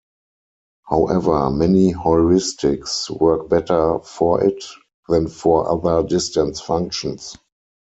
However, many heuristics work better for it than for other distance functions.